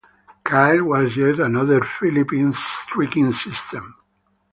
Kyle was yet another Philippines striking system.